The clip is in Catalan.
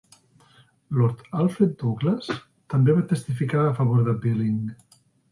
Lord Alfred Douglas també va testificar a favor de Billing.